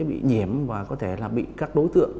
bị nhiễm và có thể là bị các đối tượng